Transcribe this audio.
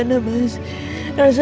elsa masih bebas di luar elsa